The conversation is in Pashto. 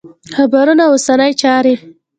خبرونه او اوسنۍ چارې